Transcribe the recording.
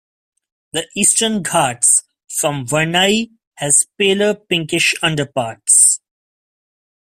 The Eastern Ghats form "vernayi" has paler pinkish underparts.